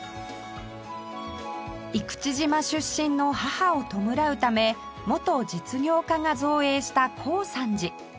生口島出身の母を弔うため元実業家が造営した耕三寺